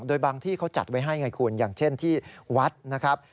โดยบางที่เขาจัดไว้ให้ไงคุณอย่างเช่นที่วัดนะครับ